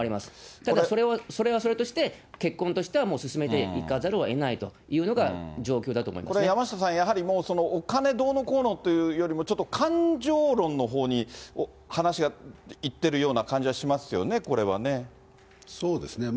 ただ、それはそれとして、結婚としてはもう進めていかざるをえないというのが、状況だと思これ、山下さん、やはりお金どうのこうのというよりも、ちょっと感情論のほうに話が行ってるような感そうですね。